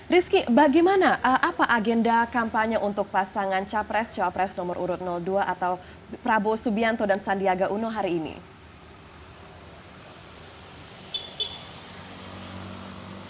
rizky bagaimana apa agenda kampanye untuk pasangan capres cawapres nomor urut dua atau prabowo subianto dan sandiaga uno hari ini